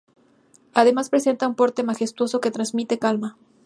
Además presenta un porte majestuoso que transmite calma.